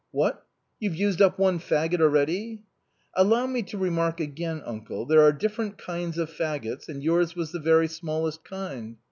" What ! you've used up one faggot already ?''" Allow me to remark again, uncle, there are different kinds of faggots, and 3'ours was the very smallest kind."